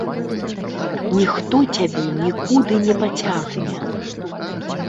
Ніхто цябе нікуды не пацягне.